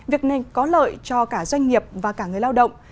việc này có lợi cho cả doanh nghiệp và cả người lao động